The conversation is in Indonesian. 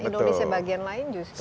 indonesia bagian lain justru